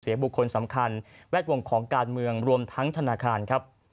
บุคคลสำคัญแวดวงของการเมืองรวมทั้งธนาคารครับ